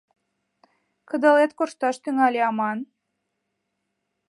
— Кыдалет коршташ тӱҥале аман!